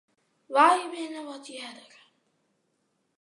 Wy binne wat earder.